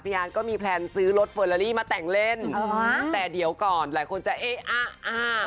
งานก็มีแพลนซื้อรถเฟอร์ลาลี่มาแต่งเล่นแต่เดี๋ยวก่อนหลายคนจะเอ๊ะอ่ะ